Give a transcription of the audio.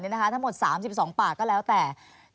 ทั้งหมด๓๒ปากก็แล้วแต่